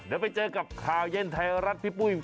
เดี๋ยวไปเจอกับข่าวเย็นไทยรัฐพี่ปุ้ย